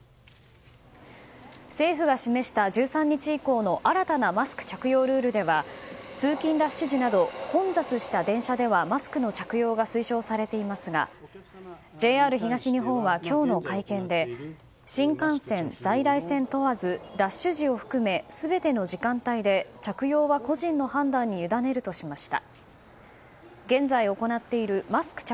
政府が示した１３日以降の新たなマスク着用ルールでは通勤ラッシュ時など混雑した電車ではマスクの着用が推奨されていますがＪＲ東日本は、今日の会見で新幹線、在来線問わずラッシュ時を含め全ての時間帯で着用は個人の判断にゆだねるとしました。